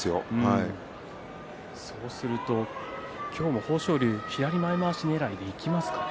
そうすると今日も豊昇龍左前まわしねらいでいきますかね。